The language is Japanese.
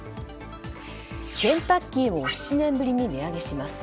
ケンタッキーも７年ぶりに値上げします。